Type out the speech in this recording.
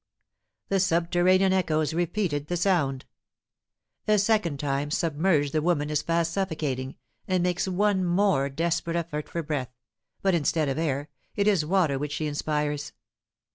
The subterranean echoes repeated the sound. A second time submerged the woman is fast suffocating, and makes one more desperate effort for breath; but, instead of air, it is water which she inspires.